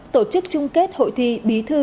tổ chức chung kết hội thi bí thư